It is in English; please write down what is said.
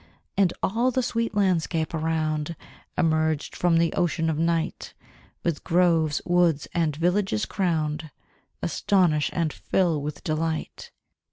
And all the sweet landscape around, Emerged from the ocean of night, With groves, woods, and villages crowned, Astonish and fill with delight!